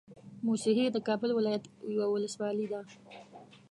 موسهي د کابل ولايت يوه ولسوالۍ ده